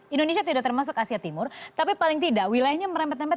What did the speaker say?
indonesia tidak termasuk asia timur tapi paling tidak wilayahnya merempet rempet